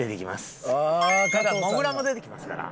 ただモグラも出てきますから。